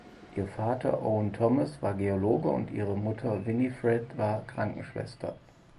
Ihr Vater Owen Thomas war Geologe und ihre Mutter Winifred war Krankenschwester.